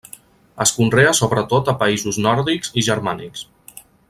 Es conrea sobretot a països nòrdics i germànics.